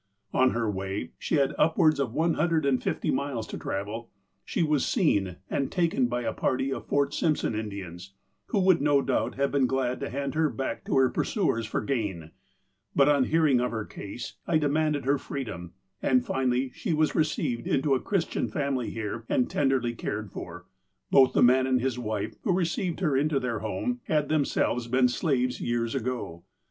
" On her way (she had upwards of one hundred and fifty miles to travel) she was seen and taken by a party of Fort Simpson Indians, who would no doubt have been glad to hand her back to her pursuers for gain, but, on hearing of her case, I demanded her freedom, and, finally, she was received into a Christian family here and tenderly cared for. Both the man and his wife, who received her into their home, had themselves been slaves years ago.